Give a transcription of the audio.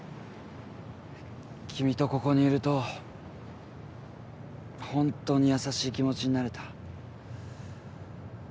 君とここにいるとホントに優しい気持ちになれた。